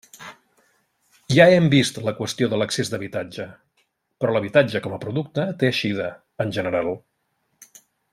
Ja hem vist la qüestió de l'excés d'habitatge, però l'habitatge com a producte té eixida, en general.